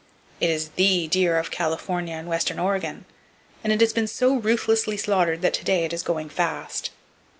It is the deer of California and western Oregon, and it has been so ruthlessly slaughtered that today it is going fast.